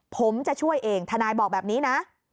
ผมจะช่วยเองทนายบอกแบบนี้นะ